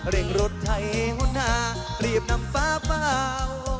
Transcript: เร่งรถไทยหุ่นหน้าเรียบนำป้าเปล่า